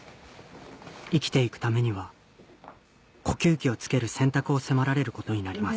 生きていくためには呼吸器をつける選択を迫られることになります